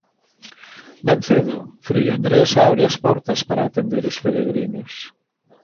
Ben cedo, frei Andrés abre as portas para atender os peregrinos.